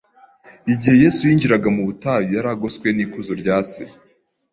Igihe Yesu yinjiraga mu butayu, yari agoswe n’ikuzo rya Se.